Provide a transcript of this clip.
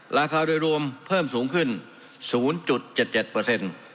ราคาโดยรวมเพิ่มสูงขึ้น๐๗๗เปอร์เซ็นต์